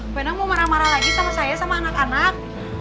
padahal mau marah marah lagi sama saya sama anak anak